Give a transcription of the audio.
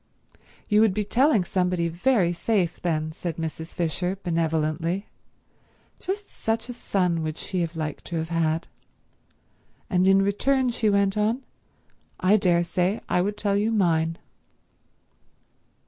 "You would be telling somebody very safe, then," said Mrs. Fisher benevolently—just such a son would she have liked to have had. "And in return," she went on, "I daresay I would tell you mine."